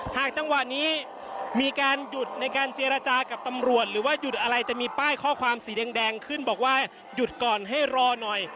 หากจังหวะนี้มีการหยุดในการเจรจากับตำรวจหรือว่าหยุดอะไรจะมีป้ายข้อความสีแดงขึ้นบอกว่าหยุดก่อนให้รอหน่อย